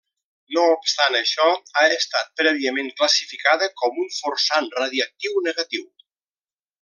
No obstant això, ha estat prèviament classificada com un forçant radiatiu negatiu.